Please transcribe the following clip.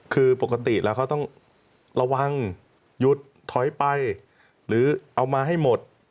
คือปกติแล้วเขาต้องระวังหยุดถอยไปหรือเอามาให้หมด